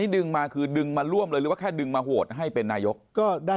ดึงมาคือดึงมาร่วมเลยหรือว่าแค่ดึงมาโหวตให้เป็นนายกก็ได้